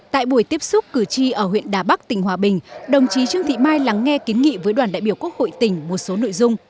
tại buổi tiếp xúc cử tri ở huyện đà bắc tỉnh hòa bình đồng chí trương thị mai lắng nghe kiến nghị với đoàn đại biểu quốc hội tỉnh một số nội dung